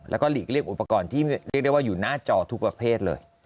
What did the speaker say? แล้วก็หลีกเลี่ยอุปกรณ์ที่เรียกได้ว่าอยู่หน้าจอทุกประเภทเลย